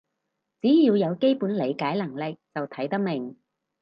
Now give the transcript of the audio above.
只要有基本理解能力就睇得明